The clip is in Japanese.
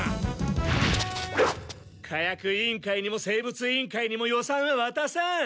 火薬委員会にも生物委員会にも予算はわたさん！